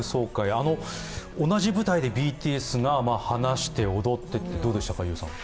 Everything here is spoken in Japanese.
あの同じ舞台にＢＴＳが話して踊ってってどうでしたか。